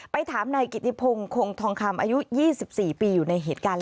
ถามนายกิติพงศ์คงทองคำอายุ๒๔ปีอยู่ในเหตุการณ์